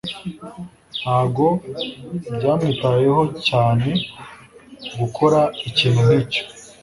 Ntabwo byamwitayeho cyane gukora ikintu nkicyo.